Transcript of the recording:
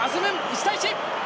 １対１。